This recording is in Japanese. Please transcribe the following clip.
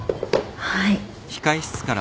はい。